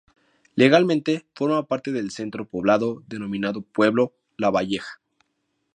Legalmente forma parte del centro poblado denominado Pueblo Lavalleja.